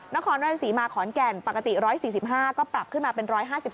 นครราชศรีมาขอนแก่นปกติ๑๔๕ก็ปรับขึ้นมาเป็น๑๕๓